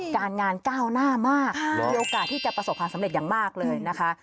การงานก้าวหน้ามากมีโอกาสที่จะประสบความสำเร็จอย่างมากเลยนะคะ